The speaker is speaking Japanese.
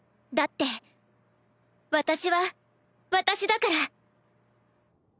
だって私は私だから。